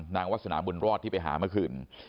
วาสนาบุญรอดที่ไปหาเมื่อคืน